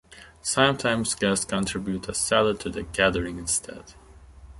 Sometimes guests contribute a salad to the gathering instead.